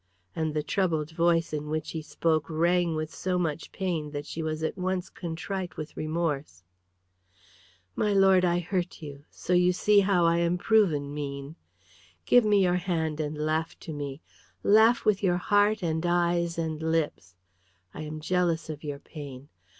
And the troubled voice in which he spoke rang with so much pain that she was at once contrite with remorse. "My lord, I hurt you, so you see how I am proven mean. Give me your hand and laugh to me; laugh with your heart and eyes and lips. I am jealous of your pain.